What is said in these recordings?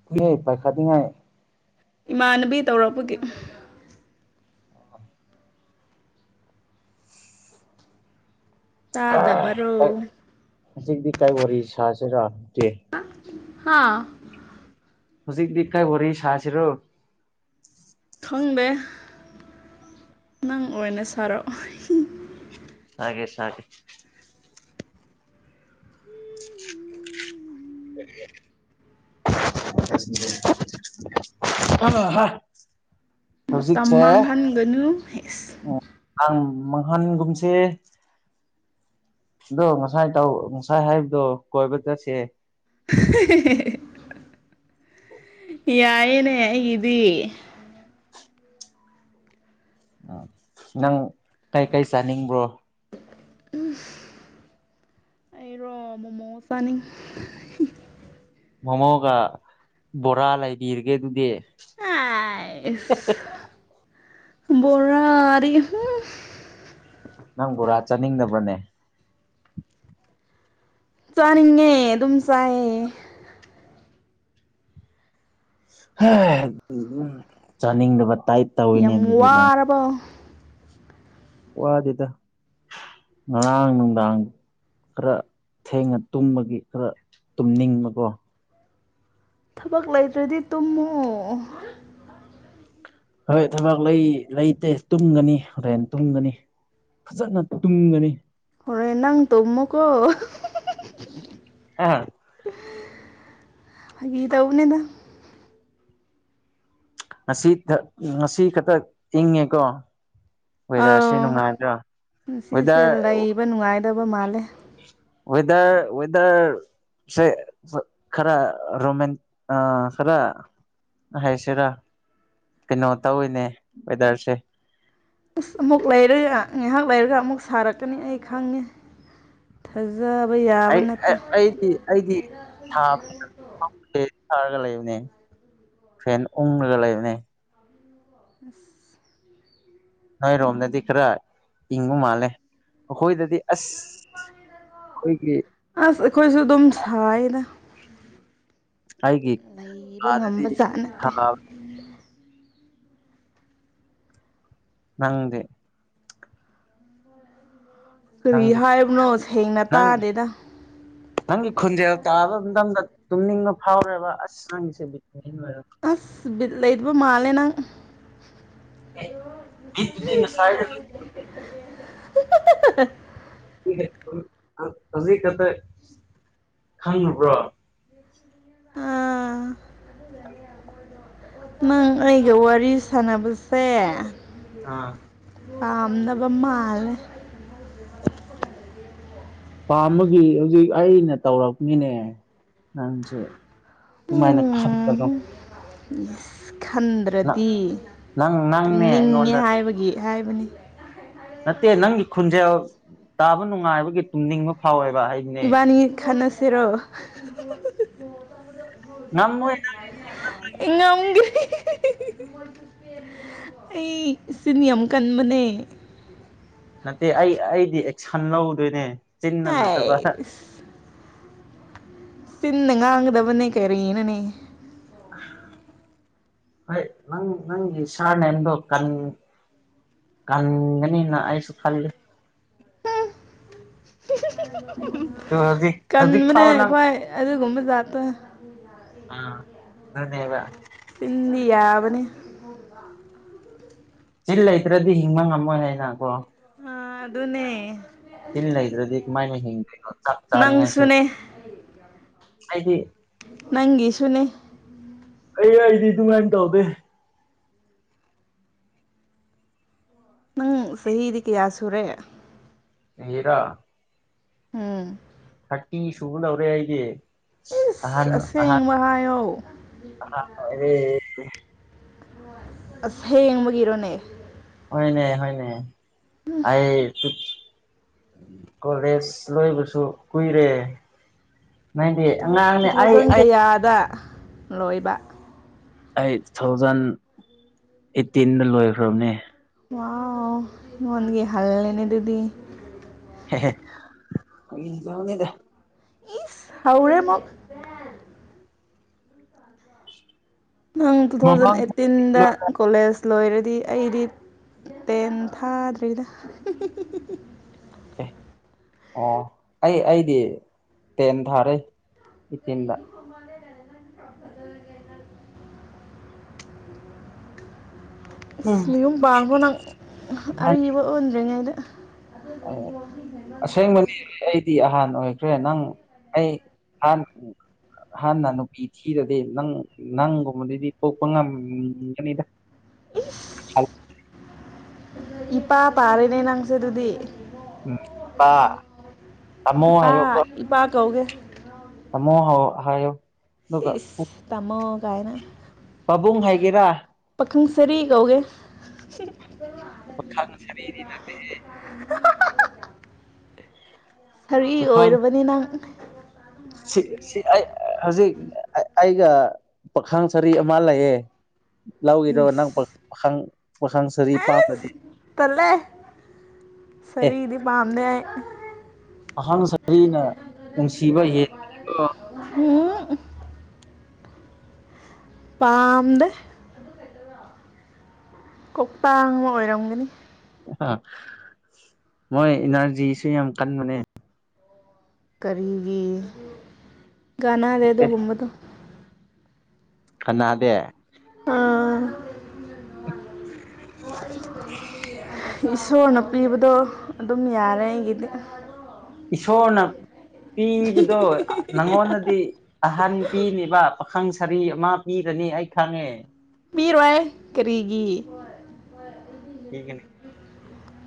[unintelligible] ꯏꯃꯥꯟꯅꯕꯤ ꯇꯧꯔꯛꯄꯒꯤ ꯇꯥꯗꯕꯔꯣ ꯍꯧꯖꯤꯛꯇꯤ ꯀꯩ ꯋꯥꯔꯤ ꯁꯥꯁꯤꯔꯒꯦ ꯍꯥꯥ ꯍꯖꯤꯛꯛꯇꯤ ꯀꯩ ꯋꯥꯔꯤ ꯁꯁꯤꯔꯣ ꯈꯪꯗꯦ ꯅꯪ ꯑꯣꯏꯅ ꯁꯥꯔꯛꯑꯣ ꯁꯥꯒꯦ ꯁꯥꯒꯦ [inaudible] [unintelligible] ꯃꯇꯝ ꯍꯧꯖꯤꯛꯁꯦ ꯃꯥꯡꯍꯟꯒꯅꯨ ꯑꯝ ꯃꯥꯡꯍꯟꯒꯨꯝꯁꯦ ꯑꯗꯣ ꯉꯁꯥꯏ ꯇꯧ ꯉꯁꯥꯏ ꯍꯥꯏꯕꯗꯣ ꯀꯣꯏꯕ ꯆꯠꯁꯦ ꯌꯥꯏꯌꯦꯅꯦ ꯑꯩꯒꯤꯗꯤ ꯅꯪ ꯀꯩꯀꯩ ꯆꯥꯅꯤꯡꯕ꯭ꯔꯣ ꯎꯝ ꯑꯩꯔꯣ ꯃꯣꯃꯣ ꯆꯥꯅꯤꯡ ꯃꯣꯃꯣꯒ ꯕꯣꯔꯥ ꯂꯩꯕꯤꯔꯒꯦ ꯑꯗꯨꯗꯤ ꯕꯣꯔꯥꯗꯤ ꯍꯨꯝ ꯅꯪ ꯕꯣꯔꯥ ꯆꯥꯅꯤꯡꯗꯕ꯭ꯔꯅꯦ ꯆꯥꯅꯤꯡꯉꯦ ꯑꯗꯨꯝ ꯆꯥꯏꯌꯦ ꯆꯥꯅꯤꯡꯗꯕ ꯇꯥꯏꯞ ꯇꯧꯋꯤꯅꯦ ꯌꯥꯝ ꯑꯗꯨꯗꯤ ꯅꯪ [unintelligible] ꯋꯥꯗꯦꯗ ꯉꯔꯥꯡ ꯅꯨꯡꯗꯥꯡ ꯈꯔ ꯊꯦꯡꯅ ꯇꯨꯝꯕꯒꯤ ꯈꯔ ꯇꯨꯝꯅꯤꯡꯕꯀꯣ ꯊꯕꯛ ꯂꯩꯇ꯭ꯔꯗꯤ ꯇꯨꯝꯃꯨ ꯍꯣꯏ ꯊꯕꯥꯛ ꯂꯩ ꯂꯩꯇꯦ ꯇꯨꯝꯒꯅꯤ ꯍꯣꯔꯦꯟ ꯇꯨꯝꯒꯅꯤ ꯐꯖꯅ ꯇꯨꯝꯒꯅꯤ ꯍꯣꯔꯦꯟ ꯅꯪ ꯇꯨꯝꯃꯣꯀꯣ [unintelligible] ꯍꯥ ꯐꯥꯒꯤ ꯇꯧꯕꯅꯤꯗ ꯉꯁꯤ ꯉꯁꯤ ꯈꯛꯇ ꯏꯪꯉꯦꯀꯣ ꯋꯦꯗꯔꯁꯤ ꯑꯥꯎ ꯅꯨꯡꯉꯥꯏꯗ꯭ꯔꯣ ꯉꯁꯤꯁꯦ ꯋꯗꯔ [unintelligible] ꯅꯨꯡꯉꯥꯏꯗꯕ ꯃꯥꯜꯂꯦ ꯋꯦꯗꯔ ꯋꯦꯗꯔ ꯁꯦ ꯈꯔ ꯔꯣꯃ ꯈꯔ ꯍꯥꯏꯁꯤꯔꯥ ꯀꯩꯅꯣ ꯇꯧꯋꯤꯅꯦ ꯋꯦꯗꯔꯁꯦ ꯑꯁ ꯑꯃꯨꯛ ꯂꯩꯔꯒ ꯉꯥꯏꯍꯥꯛ ꯂꯩꯔꯒ ꯑꯃꯨꯛ ꯁꯥꯔꯛꯀꯅꯤ ꯑꯩ ꯈꯪꯉꯦ ꯊꯥꯖꯕ ꯌꯥꯕ ꯑꯩ ꯅꯠꯇꯦ ꯑꯩꯗꯤ ꯑꯩꯗꯤ ꯊꯥꯔꯒ ꯂꯩꯕꯅꯦ [inaudible] ꯐꯦꯟ ꯎꯪꯂꯒ ꯂꯩꯕꯅꯦ ꯑꯁ ꯅꯣꯏꯔꯣꯝꯗꯗꯤ ꯈꯔ ꯏꯪꯕ ꯃꯥꯜꯂꯦ ꯑꯩꯈꯣꯏꯗꯗꯤ ꯑꯁ ꯈꯣꯏꯒꯤ ꯑꯁ ꯑꯩꯈꯣꯏꯁꯨ ꯑꯗꯨꯝ ꯁꯥꯏꯅ ꯑꯩꯒꯤ ꯂꯩꯕ ꯀꯥꯗꯗꯤ ꯉꯝꯕ ꯖꯥꯠ ꯅꯠꯇꯦ [inaudible] ꯅꯪꯗꯦ ꯀꯔꯤ ꯅꯪꯒꯤ ꯍꯥꯏꯕꯅꯣ ꯁꯦꯡꯅ ꯅꯪ ꯇꯥꯗꯦꯗ ꯅꯪꯒꯤ ꯈꯨꯟꯖꯦꯜ ꯇꯥꯕ ꯃꯇꯝꯗ ꯇꯨꯝꯅꯤꯡꯕ ꯐꯥꯎꯔꯦꯕ ꯑꯁ ꯅꯪꯁꯤꯗꯤ [inaudible] ꯑꯁ ꯂꯩꯕ ꯃꯥꯜꯂꯦ ꯅꯪ ꯑꯦ ꯕꯤꯠꯇꯨꯗꯤ ꯉꯁꯥꯏꯅ [inaudible] ꯍꯧꯖꯤꯛ ꯈꯛꯇ ꯈꯪꯉꯕ꯭ꯔꯣ ꯑꯥ ꯎ ꯅꯪ ꯑꯩꯒ ꯋꯥꯔꯤ ꯁꯥꯟꯅꯕꯁꯦ ꯑꯥ ꯄꯥꯝꯗꯕ ꯃꯥꯂꯦ [inaudible] ꯄꯥꯝꯕꯒꯤ ꯍꯧꯖꯤꯛ ꯑꯩꯅ ꯇꯧꯔꯛꯃꯤꯅꯦ ꯅꯪꯁꯦ ꯗꯨꯃꯥꯏꯅ ꯈꯟꯒꯅꯣ ꯌꯦꯁ ꯈꯟꯗ꯭ꯔꯗꯤ ꯅꯪ ꯅꯪꯅꯦ ꯇꯨꯝꯅꯤꯡꯉꯦ ꯑꯩꯉꯣꯟꯗ ꯍꯥꯏꯕꯒꯤ ꯍꯥꯏꯕꯅꯤ ꯅꯠꯇꯦ ꯅꯪꯒꯤ ꯈꯨꯟꯖꯦꯜ ꯇꯥꯕ ꯅꯨꯡꯉꯥꯏꯕꯒꯤ ꯇꯨꯝꯅꯤꯡꯕ ꯐꯥꯎꯋꯦꯕ ꯍꯥꯏ ꯏꯕꯥꯅꯤ ꯈꯟꯅꯁꯤꯔꯣ ꯉꯝꯃꯣꯏ ꯑꯩ ꯉꯝꯒꯦ [unintelligible] ꯑꯩ ꯆꯤꯟ ꯌꯥꯝ ꯀꯟꯕꯅꯦ ꯅꯠꯇꯦ ꯑꯩ ꯑꯩꯗꯤ ꯑꯦꯛꯁꯟ ꯂꯧꯗꯣꯏꯅꯦ ꯆꯤꯟꯅ ꯅꯠꯇꯕ ꯍꯥꯏ ꯆꯤꯟꯅ ꯉꯥꯡꯒꯗꯕꯅꯦ ꯀꯔꯤꯅꯣꯅꯦ ꯍꯣꯏ ꯅꯪ ꯅꯪꯒꯤ ꯁꯔꯅꯦꯟꯗ ꯀꯟ ꯀꯟꯒꯅꯤꯅ ꯑꯩꯁꯨ ꯈꯜꯂꯤ ꯎꯝ ꯑꯗꯣ ꯍꯧꯖꯤꯛ [unintelligible] ꯍꯧꯖꯤꯛ ꯀꯟꯕꯅꯦ ꯐꯥꯎ ꯅꯪ ꯑꯩꯈꯣꯏ ꯑꯗꯨꯒꯨꯝꯕ ꯖꯥꯇꯣ ꯑ ꯑꯗꯨ ꯅꯕ ꯁꯤꯤꯟꯗꯤ ꯌꯥꯕꯅꯤ ꯆꯤꯜ ꯂꯩꯇ꯭ꯔꯗꯤ ꯍꯤꯡꯕ ꯉꯝꯃꯣꯏ ꯍꯥꯏꯅ ꯀꯣ ꯑ ꯑꯗꯨ ꯑꯗꯨꯅꯦ ꯇꯤꯟ ꯂꯩꯗ꯭ꯔꯗꯤ ꯀꯃꯥꯏꯅ ꯍꯤꯡꯗꯦꯅꯣ ꯆꯥꯛ ꯆꯥꯅꯤꯡꯉꯥꯏꯁꯨ ꯅꯪꯁꯨꯅꯦ ꯑꯩꯗꯤ ꯅꯪꯒꯤꯁꯨꯅꯦ ꯑꯩ ꯑꯩꯗꯤ ꯑꯗꯨꯃꯥꯏꯅ ꯇꯧꯗꯦ ꯅꯪ ꯆꯍꯤꯗꯤ ꯀꯌꯥ ꯁꯨꯔꯦ ꯍꯤꯔꯥ ꯎꯝ ꯊꯥꯔꯇꯤ ꯁꯨꯕ ꯂꯧꯔꯦ ꯑꯩꯒꯤ ꯑꯍꯟ ꯏꯁ ꯑꯍ ꯑꯁꯦꯡꯕ ꯍꯥꯏꯌꯣ [inaudible] ꯂꯣꯏꯔꯦ ꯑꯁ ꯍꯦꯡꯕꯒꯤꯔꯣꯅꯦ ꯍꯣꯏꯅꯦ ꯍꯣꯏꯅꯦ ꯑꯩ ꯇꯨ ꯀꯣꯂꯦꯖ ꯂꯣꯏꯕꯁꯨ ꯀꯨꯏꯔꯦ ꯅꯪꯗꯤ ꯇꯨꯊꯥꯎ ꯑꯉꯥꯡꯅꯦ ꯑꯩ ꯇꯨꯊꯥꯎꯖꯟ ꯑꯩ ꯀꯌꯥꯗ ꯂꯣꯏꯕ ꯑꯩ ꯇꯨ ꯊꯥꯎꯖꯟ ꯑꯩꯠꯇꯤꯟꯗ ꯂꯣꯏꯈ꯭ꯔꯕꯅꯦ ꯋꯥ ꯅꯟꯦ ꯍꯜꯅꯦꯗꯗꯗꯤ ꯅꯤꯗ ꯏꯁ ꯍꯥꯎꯔꯦ ꯃꯛ ꯅꯪ ꯇꯨ ꯊꯥꯎꯖꯟ ꯃꯃꯥꯡ ꯑꯩꯠꯇꯤꯟꯗ ꯀꯣꯂꯦꯖ ꯂꯣꯏꯔꯗꯤ ꯑꯩꯗꯤ ꯇꯦꯟ ꯊꯥꯗ꯭ꯔꯤꯗ ꯑꯦ ꯑꯣ ꯑꯩ ꯑꯩꯗꯤ ꯇꯦꯟ ꯊꯥꯔꯦꯤꯟ ꯃꯦ ꯍꯥꯏꯅ ꯈ ꯐꯖꯒꯦ ꯎꯝ ꯅꯌꯨꯝ ꯄꯥꯟꯕꯥꯡꯕ꯭ꯔꯣ ꯅꯪ ꯑꯕ ꯑꯣꯟꯗ꯭ꯔꯤꯉꯩꯗ ꯑ ꯑꯁꯦꯡꯕꯅꯤ ꯑꯩꯗꯤ ꯑꯍꯥꯟ ꯑꯣꯏꯈ꯭ꯔꯦ ꯅꯪ ꯑꯩ ꯑꯍꯥꯟ ꯍꯥꯟꯅ ꯅꯨꯄꯤ ꯊꯤꯔꯗꯤ ꯅꯪ ꯅꯪꯒꯨꯝꯕꯗꯗꯤ ꯀꯣꯛꯄ ꯉꯝꯒꯅꯤꯗ ꯏꯄꯥ ꯄꯥꯔꯦꯅꯦ ꯅꯪꯁꯦ ꯑꯗꯨꯗꯤ ꯎ ꯄꯥ ꯇꯥꯃꯣ ꯏꯄꯥ ꯏ ꯄꯥ ꯀꯧꯒꯦ ꯃꯣꯍ ꯍꯥꯏꯣ ꯇꯃꯣ ꯀꯥꯏꯅ ꯄꯥꯕꯨꯡ ꯍꯥꯏꯒꯦꯔꯥ ꯄꯥꯈꯪ ꯁꯔꯤ ꯀꯧꯒꯦ ꯄꯥ ꯁꯔ ꯀꯔꯤ ꯏ ꯄꯥꯈꯪ ꯑꯣꯏꯨꯔꯕꯅꯤ ꯅꯪ ꯁꯤ ꯑꯩ ꯍꯧꯖꯤꯛ ꯑꯩꯒ ꯄꯥꯈꯥꯡ ꯁꯔꯤ ꯑꯃ ꯂꯩꯌꯦꯦ ꯂꯧꯈꯤꯗ ꯏꯁ ꯅꯪꯥꯈ ꯄꯥꯈꯥꯡ ꯁꯔꯤ ꯄꯥꯝꯂꯗꯤ ꯑꯁ ꯇꯜꯂꯦ ꯁꯔꯤꯗꯤ ꯄꯥꯝꯗꯦ ꯑꯍꯪ ꯁꯔꯤꯅ ꯅꯨꯡꯁꯤꯕ ꯌꯦ ꯎꯝ ꯑꯣ ꯄꯥꯝꯗ ꯀꯣꯛꯄ ꯑꯃ ꯑꯣꯏꯔꯝꯒꯅꯤ ꯑ ꯃꯣꯏ ꯏꯅꯔꯖꯤꯁꯨ ꯌꯥꯝ ꯀꯟꯕꯅꯦ ꯀꯔꯤꯒꯤ ꯅꯥ ꯂꯩ ꯑꯦ ꯑꯗꯨꯒꯨꯝꯃ ꯇ ꯈꯅꯗꯦ ꯏꯁꯣꯔꯅꯥ ꯄꯤꯕꯗꯣ ꯑꯗꯨꯝ ꯌꯥꯔꯦ ꯑꯩꯒꯤꯗꯤ ꯏꯁꯣꯔꯅ ꯄꯤꯕꯗꯣ ꯅꯪꯉꯣꯟꯗꯗꯤ ꯑꯍꯟ ꯄꯤꯅꯦꯕ ꯄꯥꯈꯪ ꯁꯥꯔꯤ ꯑꯃ ꯄꯤꯔꯅꯤ ꯑꯩ ꯈꯪꯉꯦ ꯄꯤꯔꯣꯏ ꯀꯔꯤꯒꯤ ꯍꯒ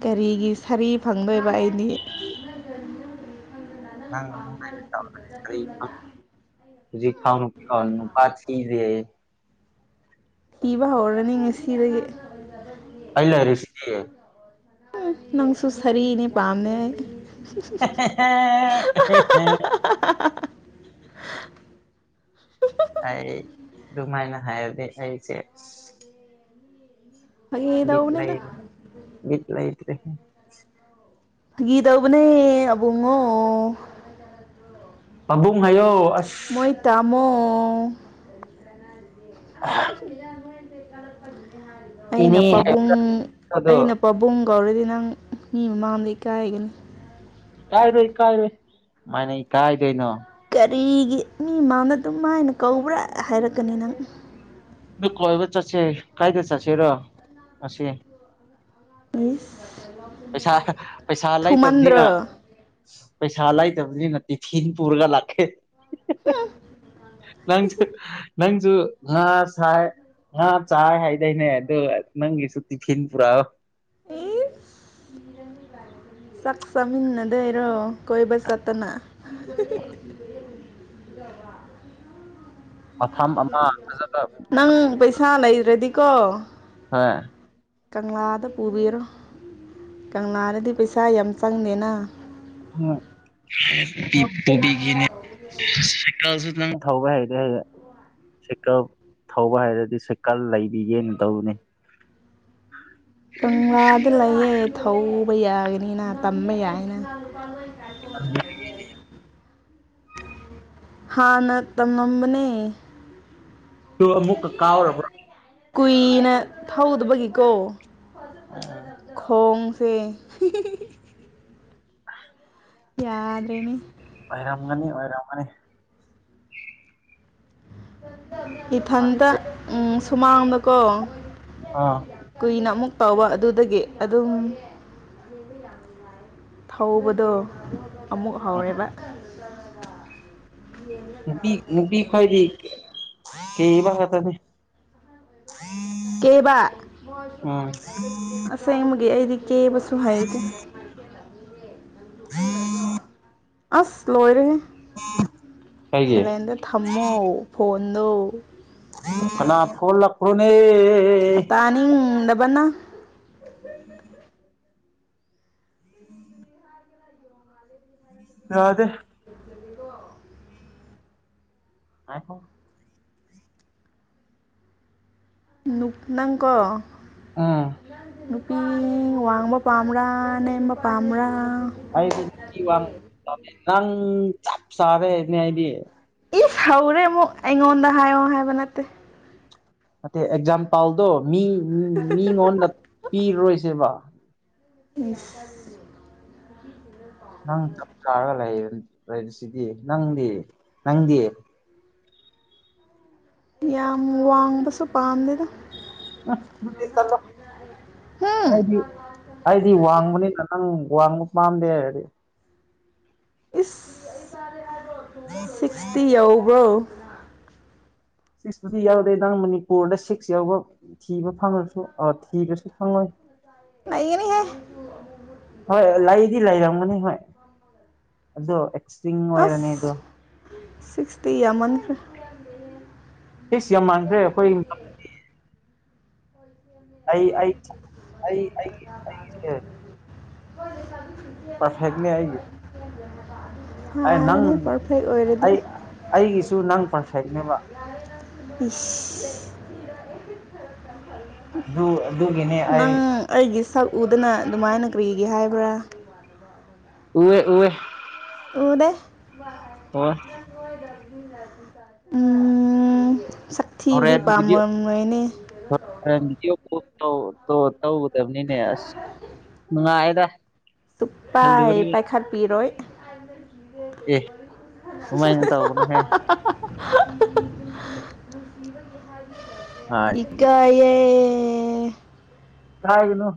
ꯀꯔꯤꯒꯤ ꯁꯔꯤꯞ ꯐꯪꯗꯣꯏꯕ ꯑꯩꯅꯤ ꯅꯪ ꯅꯨꯡꯉꯥꯏ ꯐꯅꯅ ꯍꯧꯖꯤꯛ ꯊꯥꯎ ꯀꯥꯁꯤꯤꯁꯦ ꯄꯤꯕ ꯍꯧꯔꯅꯤ ꯉꯁꯤꯗꯒꯤ ꯑꯩꯅ ꯔꯤꯁꯤ ꯅꯪꯁꯨ ꯁꯔꯤꯅꯦ ꯄꯥꯝꯅꯦ ꯑꯩ [unintelligible] [unintelligible] ꯑꯩ ꯑꯗꯨꯃꯥꯏꯅ ꯍꯥꯏꯔꯗꯤ ꯑꯩꯁꯦ ꯑ ꯠꯂ꯭ꯔꯦ ꯒꯤꯠꯂ ꯏꯗ꯭ꯔꯦ ꯒꯤꯤ ꯇꯧꯕꯅꯦ ꯑꯕꯨꯡꯉꯣ ꯄꯕꯨꯡ ꯍꯥꯏꯌꯣ ꯑꯁ ꯃꯣꯏ ꯇꯥꯃꯣ ꯑꯩꯅ ꯏꯅꯦ ꯄꯥꯕꯨꯡ ꯍꯥꯏꯕꯗꯣ ꯑꯩꯅ ꯄꯥꯕꯨꯡ ꯀꯧꯔꯗꯤ ꯅꯪ ꯃꯤ ꯃꯃꯥꯡꯗ ꯏꯀꯥꯏꯒꯅꯤ ꯀꯥꯏꯔꯣꯏ ꯀꯥꯏꯔꯣꯏ ꯃꯅ ꯀꯥꯏꯗꯣꯏꯩꯅꯣ ꯀꯔꯤꯒꯤ ꯃꯤ ꯃꯅ ꯑꯗꯨꯝ ꯃꯥꯅ ꯀꯧꯕ꯭ꯔꯥ ꯍꯥꯏꯔꯛꯀꯅꯤ ꯅꯪ ꯅ ꯀꯕ ꯆꯠꯁꯦ ꯀꯥꯏꯗ ꯆꯠꯁꯦꯔ ꯑꯁꯦ ꯄꯨꯁ ꯄꯩꯁꯥ ꯄꯩꯁꯥ ꯂꯩꯇꯕꯅꯤꯅ ꯄꯩꯁꯥ ꯂ ꯂꯩꯇꯕꯅꯤ ꯅꯠꯇꯤ ꯐꯤꯅ ꯄꯨꯔꯒ ꯂꯥꯛꯀꯦ ꯅꯁꯨ ꯅꯪꯁꯨ ꯉ ꯁꯥꯥꯏ ꯍꯥ ꯆꯥꯏ ꯍꯥꯏꯗꯣꯏꯅꯦ ꯑꯗꯨꯗ ꯅꯪꯒꯤꯁꯨ ꯇꯤꯐꯤꯟ ꯄꯨꯔꯛꯑꯣ [unintelligible] ꯁꯛ ꯆꯃꯤꯟ ꯑꯗꯩꯔꯣ ꯀꯣꯏꯕ ꯆꯥꯇꯅ [unintelligible] ꯃꯐꯝ ꯑꯃ ꯐꯖꯕ ꯅꯪ ꯄꯩꯁꯥ ꯂꯩꯗ꯭ꯔꯗꯤꯀꯣ ꯍꯥ ꯀꯪꯂꯥꯗ ꯄꯨꯕꯤꯔꯣ ꯀꯪꯂꯥꯗꯗꯤ ꯄꯩꯁꯥ ꯌꯥꯝ ꯆꯪꯗꯦꯅ ꯄ ꯇꯕꯤꯒꯤꯅꯦ ꯁꯥꯏꯀꯜꯁꯨ ꯅꯪ ꯊꯧꯕ ꯍꯩꯔꯦ ꯍꯧꯗꯤꯦ ꯁꯥꯏꯀꯜ ꯊꯧꯕ ꯍꯥꯏꯔꯗꯤ ꯁꯥꯏꯀꯜ ꯂꯩꯕꯤꯒꯦꯅ ꯇꯧꯕꯅꯦ ꯀꯪꯂꯥꯗ ꯂꯩꯌꯦ ꯊꯧꯕ ꯌꯥꯒꯅꯤꯅ ꯇꯝꯕ ꯌꯥꯏꯅ ꯑꯗꯨ ꯍꯥꯥꯟ ꯅ ꯇꯝ ꯅꯝꯕꯅꯦ ꯇ ꯑꯃꯨꯛ ꯀꯥꯎꯔꯔꯕ꯭ꯔ ꯀꯨꯏꯅ ꯊꯧꯗꯕꯒꯤꯀꯣ ꯑ ꯈꯣꯡꯁꯦ ꯌꯥꯔꯦꯅꯦ ꯑꯣꯏꯔꯝꯒꯅꯤ ꯑꯣꯏꯔꯝꯒꯅꯤ ꯏꯊꯟꯇ ꯁꯨꯃꯥꯡꯗꯀꯣ ꯑꯥ ꯀꯨꯏꯅ ꯑꯃꯨꯛ ꯇꯥꯎꯕ ꯑꯗꯨꯗꯒꯤ ꯑꯗꯨꯝ ꯊꯧꯕꯗꯣ ꯑꯃꯨꯛ ꯍꯧꯔꯦꯕ ꯐꯣꯏꯗꯤ ꯀꯕ ꯇꯅꯦ ꯀꯦꯕ ꯎꯝ ꯁꯦꯡꯃꯒꯤ ꯑꯩꯗꯤ ꯀꯦꯕꯁꯨ ꯍꯩꯗꯦ ꯑꯁ ꯂꯣꯏꯔꯅꯦꯦ ꯀꯩꯒꯤ ꯁꯂꯦꯟꯗ ꯊꯝꯃꯣ ꯐꯣꯟꯗꯣ ꯅꯥ ꯀꯣꯜꯂꯈ꯭ꯔꯣꯅꯦ ꯇꯥꯅꯤꯡꯗꯕꯅ ꯎꯝ ꯑꯗꯦ ꯑꯈꯣ ꯅꯨꯨꯞꯅꯥꯪꯀ ꯎꯝ ꯃꯤ ꯋꯥꯡꯕ ꯄꯥꯝꯕ꯭ꯔꯥ ꯅꯦꯝꯕ ꯄꯥꯝꯕ꯭ꯔꯥ ꯑꯩꯗꯤ ꯅꯪ ꯆꯞ ꯆꯥꯔꯦꯅꯦ ꯍꯥꯏꯗꯤ ꯏꯁ ꯍꯧꯔꯦ ꯑꯃꯨꯛ ꯑꯩꯉꯣꯟꯗ ꯍꯥꯏꯌꯣ ꯍꯥꯏꯕ ꯅꯠꯇꯦ ꯅꯠꯇꯦ ꯑꯦꯛꯖꯥꯝꯄꯥꯜꯗꯣ ꯃꯤ ꯃꯤꯉꯣꯟꯗ ꯄꯤꯔꯔꯣꯏꯁꯦꯕ ꯑꯦ ꯅꯪ ꯆꯞ ꯆꯥꯔꯒ ꯂꯩꯔꯤꯁꯤꯗꯤ ꯅꯪꯗꯤ ꯅꯪꯗꯤ ꯌꯥ ꯋꯥꯥꯡꯉꯕ ꯁ ꯄꯥꯟꯗꯗ ꯑꯗꯨꯗꯤ ꯆꯠꯂꯣ ꯍꯝ ꯑꯩꯗꯤ ꯑꯩꯗꯤ ꯋꯥꯡꯕꯅꯤꯅ ꯅꯪ ꯋꯥꯡꯕ ꯄꯥꯝꯗꯦ ꯍꯥꯏꯔꯗꯤ ꯏꯁ ꯁꯤꯛꯁꯇꯤ ꯌꯕ꯭ꯔꯣ ꯁꯤꯛꯁꯇꯨꯗꯤ ꯌꯥꯎꯗꯦ ꯏ ꯅꯪ ꯃꯅꯤꯄꯨꯔꯗ ꯁꯤꯛꯁ ꯌꯥꯎꯕ ꯊꯤꯕ ꯐꯪꯂꯉꯁꯨ ꯑ ꯊꯤꯕꯁꯨ ꯐꯪꯂꯉꯣꯏ ꯑꯅꯤ ꯍꯥꯏꯦ ꯍꯣꯏ ꯂꯗꯤ ꯂꯩꯔꯝꯒꯅꯤ ꯍꯣꯏ ꯑꯗꯣ ꯑꯦꯛꯁꯇ꯭ꯔꯤꯡ ꯑꯣꯏꯔꯅꯤ ꯑꯁ ꯑꯗꯣ ꯁꯤꯛꯁꯇꯤ ꯌꯥ ꯃꯟ ꯁꯤꯁ ꯌꯥꯝ ꯃꯥꯟꯈ꯭ꯔꯦ ꯑꯩꯈꯣꯏ ꯑꯩ ꯑꯩ ꯑꯩ ꯑꯩꯒꯤꯁꯦ ꯍ ꯆꯕꯤ ꯄꯔꯐꯦꯛꯅꯦ ꯍꯥꯏꯑꯒ ꯐꯔꯅꯦ ꯄꯔꯐꯦꯛ ꯑꯣꯏꯔꯗꯤ ꯑꯩ ꯑꯩꯒꯤꯁꯨ ꯅꯪ ꯄꯔꯁꯅꯦꯕ ꯎꯝ ꯑꯗꯨ ꯑꯗꯨꯒꯤꯅꯦ ꯑꯩ ꯑꯩꯒꯤ ꯁꯛ ꯎꯗꯅ ꯑꯗꯨꯃꯥꯏꯅ ꯀꯔꯤꯒꯤ ꯍꯥꯏꯕ꯭ꯔꯥ ꯎꯋ ꯎꯋ ꯎꯅꯦ ꯍꯣꯏ ꯎꯝ ꯁꯛꯊꯤꯕꯗꯤ ꯍꯣꯔꯦꯟꯕꯤꯗꯤꯑꯣ ꯄꯥꯝꯃꯝꯔꯣꯏꯅꯦ ꯍꯣꯔꯗꯤꯑꯣꯣ ꯇꯧꯒꯗꯕꯅꯤꯅꯦ ꯑꯁ ꯅꯨꯡꯉꯥꯏꯗ ꯇꯨꯄ ꯈꯜꯂꯨꯔꯤ ꯄꯥꯏꯈꯠꯄꯤꯔꯣꯏ [unintelligible] ꯑꯦ ꯀꯃꯥꯏꯅ ꯇꯧꯕꯅꯣꯍꯦ [unintelligible] [unintelligible] ꯑ ꯏꯀꯌꯦꯦ ꯊꯥꯏꯒꯅ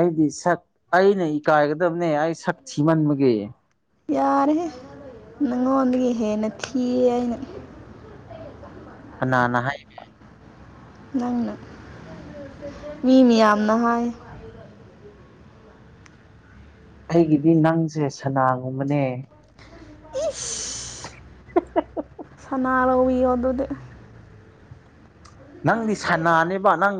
ꯑꯩꯗꯤ ꯁꯛ ꯑꯩꯅ ꯏꯀꯥꯏꯒꯗꯕꯅꯦ ꯑꯩ ꯁꯛ ꯊꯤꯃꯟꯕꯒꯤ ꯌꯥꯔꯦ ꯅꯪꯉꯣꯟꯗꯒꯤ ꯍꯦꯟꯅ ꯊꯤꯌꯦ ꯑꯩꯅ [unintelligible] ꯅꯪꯅ ꯃꯤ ꯃꯌꯥꯝꯅꯍꯥꯏ ꯑꯩꯒꯤꯗꯤ ꯅꯪꯁꯦ ꯁꯅꯥꯒꯨꯝꯕꯅꯦ [unintelligible] [inaudible] ꯁꯅꯥꯔꯧꯋꯤ [unintelligible] ꯅꯪꯗꯤ ꯁꯥꯟꯅꯅꯦꯕ ꯅꯪ